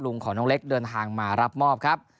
ลุงของน้องเล็กเดินทางมารับมอบครับ